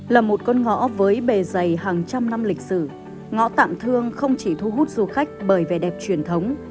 là một con ngõ với bề dày hàng trăm năm lịch sử ngõ tạm thương không chỉ thu hút du khách bởi vẻ đẹp truyền thống